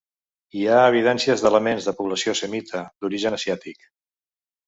Hi ha evidències d'elements de població semita, d'origen asiàtic.